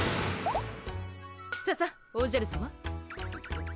ささっおじゃるさま。